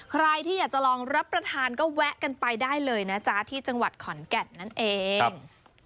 ใครที่อยากจะลองรับประทานก็แวะกันไปได้เลยนะจ๊ะที่จังหวัดขอนแก่นนั่นเอง